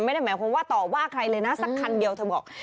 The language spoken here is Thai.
ไม่ได้หมายความว่าต่อว่าใครเลยนะสักคันเดียวเธอบอก